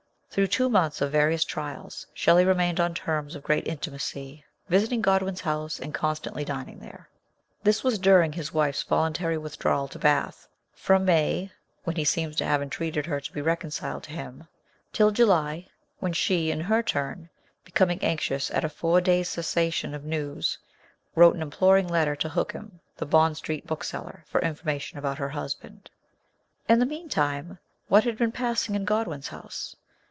Through two months of various trials Shelley remained on terms of great intimacy, visiting Godwin's house and constantly dining there. This was during his wife's voluntary withdrawal to Bath, from May when he seems to have entreated her to be reconciled to him till July, when she, in her turn, becoming anxious at a four days' cessation of news, wrote an imploring letter to Hookham, the Bond Street bookseller, for information about her husband. MARY AND SHELLEY. 63 In the meantime, what had been passing in Godwin's house